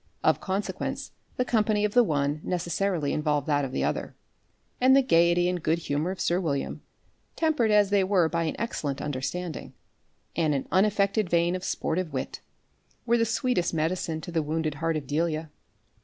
Of consequence the company of the one necessarily involved that of the other. And the gaiety and good humour of sir William, tempered as they were by an excellent understanding, and an unaffected vein of sportive wit, were the sweetest medicine to the wounded heart of Delia.